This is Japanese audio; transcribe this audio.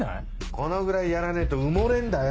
このぐらいやらねえと埋もれんだよ。